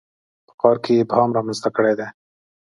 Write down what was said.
په کار کې یې ابهام رامنځته کړی دی.